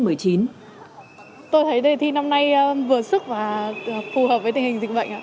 tôi thấy đề thi năm nay vừa sức và phù hợp với tình hình dịch bệnh